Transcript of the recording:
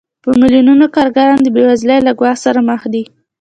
په میلیونونو کارګران د بېوزلۍ له ګواښ سره مخ دي